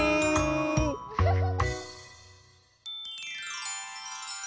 フフフフ。